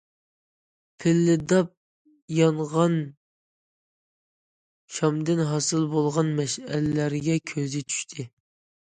پىلىلداپ يانغان شامدىن ھاسىل بولغان مەشئەللەرگە كۆزى چۈشتى.